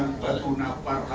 di marjung toko